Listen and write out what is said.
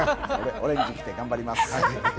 オレンジ着て頑張ります。